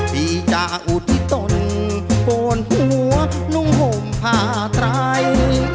พี่จะอุตติดตลคนหัวนุงห่มพาไต